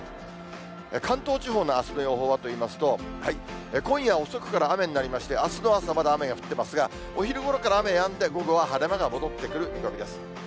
関東地方のあすの予報はといいますと、今夜遅くから雨になりまして、あすの朝、まだ雨が降ってますが、お昼ごろから雨やんで、午後は晴れ間が戻ってくる見込みです。